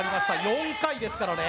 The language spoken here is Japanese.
４回ですからね